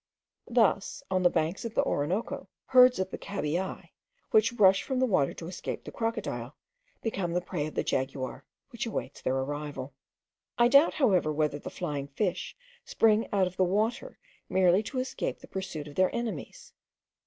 Thus, on the banks of the Orinoco, herds of the Cabiai, which rush from the water to escape the crocodile, become the prey of the jaguar, which awaits their arrival. I doubt, however, whether the flying fish spring out of the water merely to escape the pursuit of their enemies.